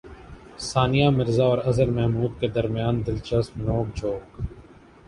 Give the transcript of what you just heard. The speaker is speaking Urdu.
ثانیہ مرزا اور اظہر محمود کے درمیان دلچسپ نوک جھونک